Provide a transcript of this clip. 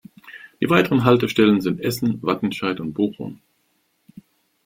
Die weiteren Haltestellen sind Essen, Wattenscheid und Bochum.